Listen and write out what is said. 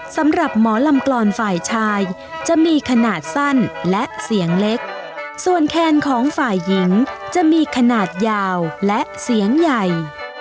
สำหรับหมอลำกลอนฝ่ายชายจะมีขนาดสั้นและเสียงเล็กส่วนแคนของฝ่ายหญิงจะมีขนาดยาวและเสียงใหญ่